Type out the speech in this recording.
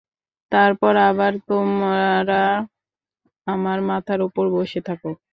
তারপরে আবার তোমারা আমার মাথার উপর বসে থাকো!